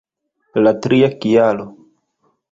La tria kialo!